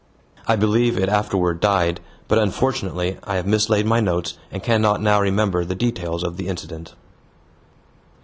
I believe it afterward died, but unfortunately I have mislaid my notes and cannot now remember the details of the incident.